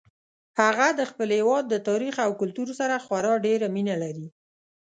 هغه د خپل هیواد د تاریخ او کلتور سره خورا ډیره مینه لري